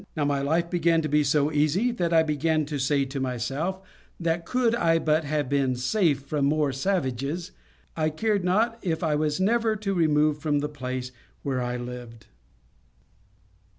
Now my life began to be so easy that I began to say to myself that could I but have been safe from more savages, I cared not if I was never to remove from the place where I lived.